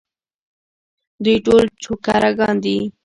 دوی ټول چوکره ګان دي.